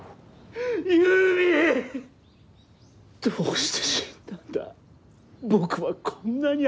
どうして死んだんだ。